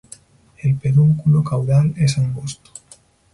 El pedúnculo caudal es angosto.